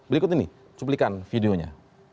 berikut ini cuplikan videonya